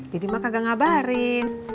jadi mak kagak ngabarin